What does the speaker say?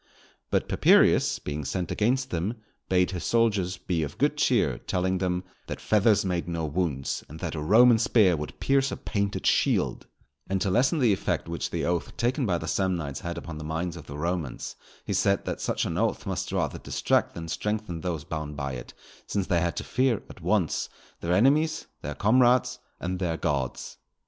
But Papirius, being sent against them, bade his soldiers be of good cheer, telling them "that feathers made no wounds, and that a Roman spear would pierce a painted shield;" and to lessen the effect which the oath taken by the Samnites had upon the minds of the Romans, he said that such an oath must rather distract than strengthen those bound by it, since they had to fear, at once, their enemies, their comrades, and their Gods.